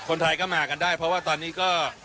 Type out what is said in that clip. คนไทยก็มากันได้เพราะว่าตอนนี้ก็